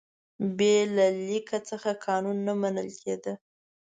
بې له لیک څخه قانون نه منل کېده.